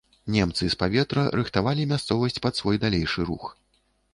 Немцы з паветра рыхтавалі мясцовасць пад свой далейшы рух.